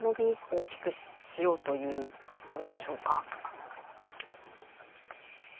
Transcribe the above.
大きくしようというところでしょうか。